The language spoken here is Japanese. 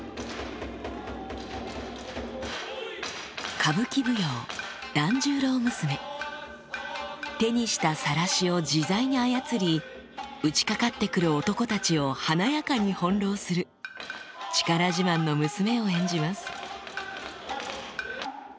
歌舞伎舞踊『團十郎娘』手にしたさらしを自在に操り打ちかかって来る男たちを華やかに翻弄する力自慢の娘を演じます